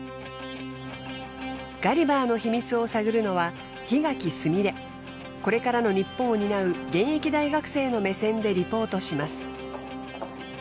ガリバーの秘密を探るのはこれからの日本を担う現役大学生の目線でリポートします。